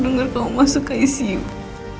aku takut kita gak akan bisa ketemu lagi